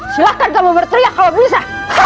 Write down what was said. silahkan kamu berteriak kalau bisa